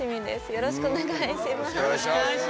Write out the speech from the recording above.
よろしくお願いします。